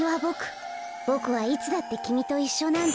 ボクはいつだってきみといっしょなんだよ。